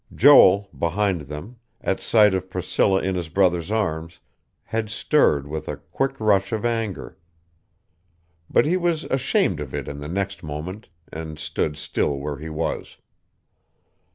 Joel, behind them, at sight of Priscilla in his brother's arms, had stirred with a quick rush of anger; but he was ashamed of it in the next moment, and stood still where he was.